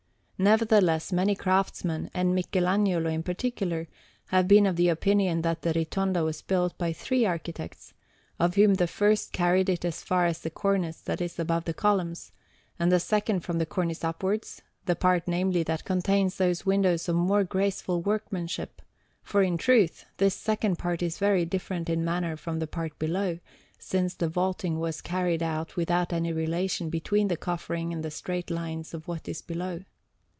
Nevertheless many craftsmen, and Michelagnolo in particular, have been of the opinion that the Ritonda was built by three architects, of whom the first carried it as far as the cornice that is above the columns, and the second from the cornice upwards, the part, namely, that contains those windows of more graceful workmanship, for in truth this second part is very different in manner from the part below, since the vaulting was carried out without any relation between the coffering and the straight lines of what is below.